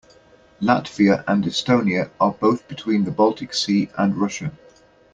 Latvia and Estonia are both between the Baltic Sea and Russia.